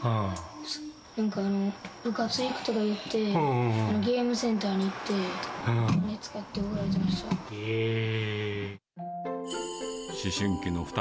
なんか、部活行くとか言って、ゲームセンターに行って、お金使って怒られてました。